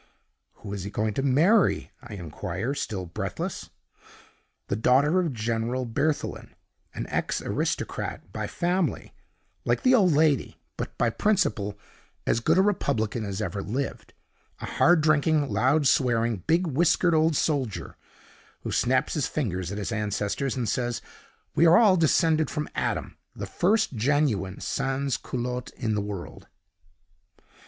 "'Who is he going to marry?' I inquire, still breathless. "'The daughter of General Berthelin an ex aristocrat by family, like the old lady; but by principle as good a republican as ever lived a hard drinking, loud swearing, big whiskered old soldier, who snaps his fingers at his ancestors and says we are all descended from Adam, the first genuine sans culotte in the world.